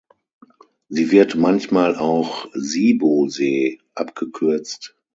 Sie wird manchmal auch "Sibu-See" abgekürzt.